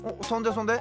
そんで？